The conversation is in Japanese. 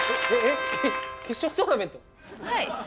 はい。